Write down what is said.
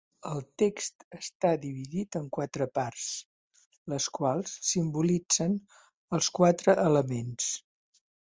El text està dividit en quatre parts, les quals simbolitzen els quatre elements.